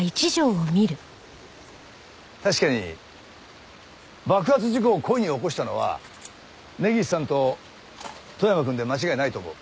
確かに爆発事故を故意に起こしたのは根岸さんと富山くんで間違いないと思う。